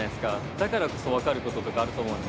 だからこそ分かることとかあると思うんで。